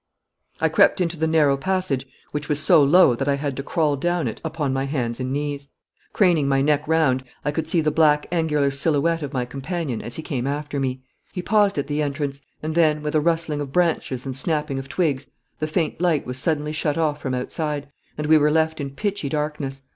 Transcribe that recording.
I crept into the narrow passage, which was so low that I had to crawl down it upon my hands and knees. Craning my neck round, I could see the black angular silhouette of my companion as he came after me. He paused at the entrance, and then, with a rustling of branches and snapping of twigs, the faint light was suddenly shut off from outside, and we were left in pitchy darkness.